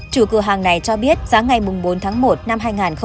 chủ cửa hàng này cho biết giá ngày bốn tháng một năm hai nghìn một mươi sáu